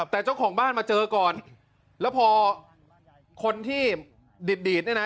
แต่เจ้าของบ้านมาเจอก่อนแล้วพอคนที่ดีดดีดเนี่ยนะ